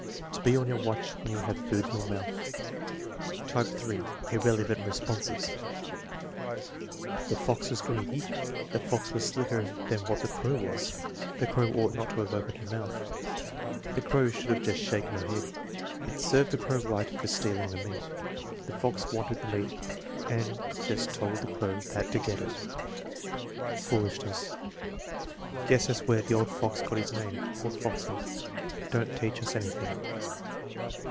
"To be on your watch when you have food in your mouth." Type (3), irrelevant responses: "The fox was greedy." "The fox was slicker than what the crow was." "The crow ought not to have opened her mouth." "The crow should just have shaken her head." "It served the crow right for stealing the meat." "The fox wanted the meat and just told the crow that to get it." "Fool ishness." "Guess that's where the old fox got his name 'Old Foxy' Don't teach us anything."